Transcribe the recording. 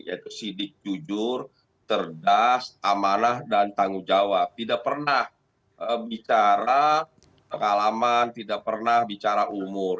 yaitu sidik jujur cerdas amanah dan tanggung jawab tidak pernah bicara pengalaman tidak pernah bicara umur